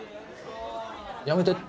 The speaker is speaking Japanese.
やめて。